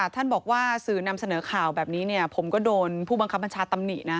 ท่านบอกว่าสื่อนำเสนอข่าวแบบนี้ผมก็โดนผู้บังคับบัญชาตำหนินะ